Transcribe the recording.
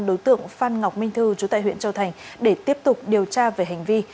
đối tượng phan ngọc minh thư chú tại huyện châu thành để tiếp tục điều tra về hành vi